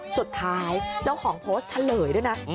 สุดท้ายเจ้าของโพสต์ทะเหลยด้วยนะ